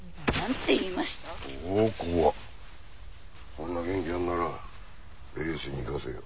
こんな元気あんならレースに生かせよ。